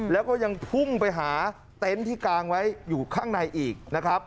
แล้วก็ยังพุ่งไปหาเต็นต์ที่กางไว้อยู่ข้างในอีกนะครับ